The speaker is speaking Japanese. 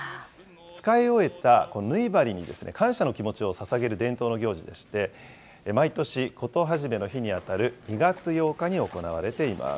使い終えた縫い針に、感謝の気持ちをささげる伝統の行事でして、毎年事始めの日に当たる２月８日に行われています。